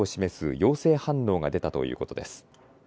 陽性反応が出たということです。